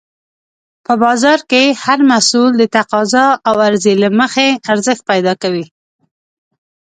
په بازار کې هر محصول د تقاضا او عرضې له مخې ارزښت پیدا کوي.